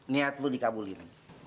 niat lo dikabulin